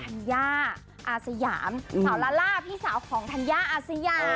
ธัญญาอาสยามสาวลาล่าพี่สาวของธัญญาอาสยา